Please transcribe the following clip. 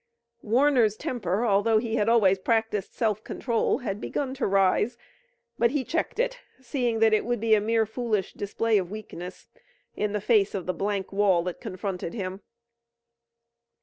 Warner's temper, although he had always practiced self control, had begun to rise, but he checked it, seeing that it would be a mere foolish display of weakness in the face of the blank wall that confronted him.